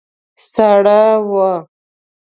سړه وه.